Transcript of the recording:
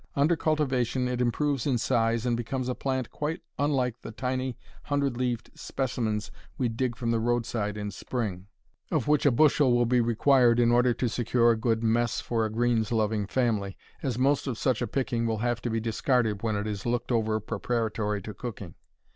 Under cultivation it improves in size, and becomes a plant quite unlike the tiny, hundred leaved specimens we dig from the roadside in spring, of which a bushel will be required in order to secure a good "mess" for a greens loving family, as most of such a picking will have to be discarded when it is "looked over" preparatory to cooking.